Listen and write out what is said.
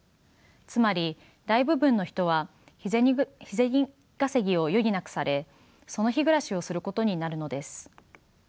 つまり大部分の人は日銭稼ぎを余儀なくされその日暮らしをすることになるのです。